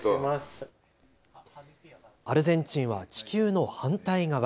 アルゼンチンは地球の反対側。